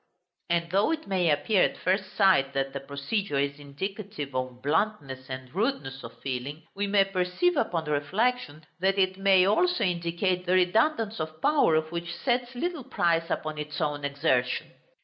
And though it may appear, at first sight, that the procedure is indicative of bluntness and rudeness of feeling, we may perceive, upon reflection, that it may also indicate the redundance of power which sets little price upon its own exertion.